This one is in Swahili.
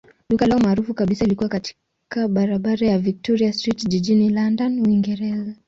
Duka lao maarufu kabisa lilikuwa katika barabara ya Victoria Street jijini London, Uingereza.